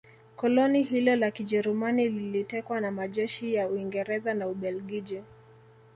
koloni hilo la Kijerumani lilitekwa na majeshi ya Uingereza na Ubelgiji